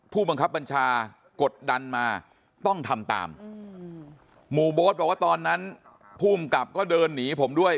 ผู้บังคับบัญชากดดันมาต้องทำตามหมู่โบ๊ทบอกว่าตอนนั้นภูมิกับก็เดินหนีผมด้วย